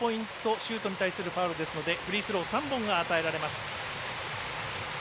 シュートに対するファウルですのでフリースロー３本が与えられます。